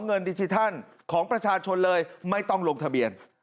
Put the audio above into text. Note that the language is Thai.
ดิจิทัลของประชาชนเลยไม่ต้องลงทะเบียน